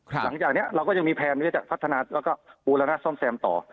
หลังจากนี้เราก็ยังมีแผนที่จะพัฒนาแล้วก็บูรณะซ่อมแซมต่อ